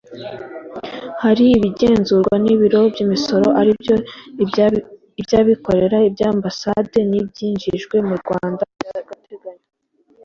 hari ibigenzurwa n’ibiro by’imisoro aribyo:-ibyabikorera, iby’ambasade ,iby’injijwe mu Rwanda by’agateganyo